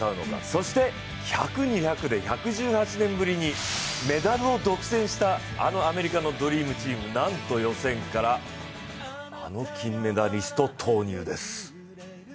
そして１００、２００で１２０年ぶりにメダルを独占したあのアメリカのドリームチーム、なんと予選から、あの金メダリスト投入です。